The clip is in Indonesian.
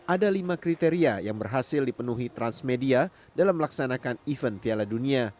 ada lima kriteria yang berhasil dipenuhi transmedia dalam melaksanakan event piala dunia